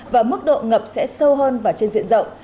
và mức độ ngập sẽ sâu hơn và trên diện rộng